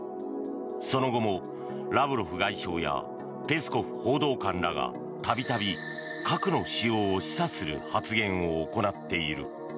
その後もラブロフ外相やペスコフ報道官らが度々、核の使用を示唆する発言を行っている。